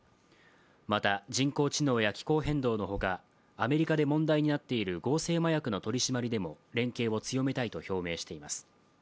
また人工知能や気候変動のほかアメリカで問題になっている合成麻薬の取り締まりでも連携を強めたいと表明しています。